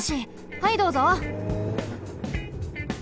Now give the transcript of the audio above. はいどうぞ。